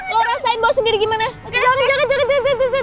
lu rasain bawa sendiri gimana